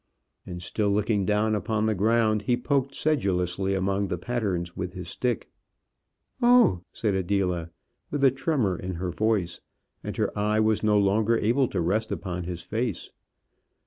And still looking down upon the ground, he poked sedulously among the patterns with his stick. "Oh!" said Adela, with a tremour in her voice, and her eye was no longer able to rest upon his face.